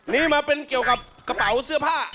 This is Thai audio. นี่มาเป็นเกี่ยวกับกระเป๋าเสื้อผ้า